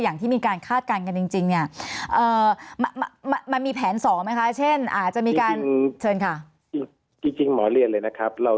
อย่างที่มีการคาดการณ์กันจริง